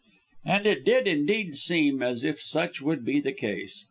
And it did indeed seem as if such would be the case.